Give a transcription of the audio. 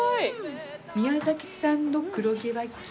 宮崎産の黒毛和牛。